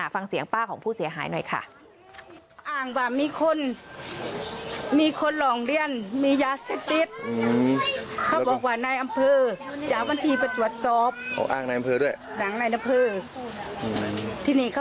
ฟังเสียงป้าของผู้เสียหายหน่อยค่ะ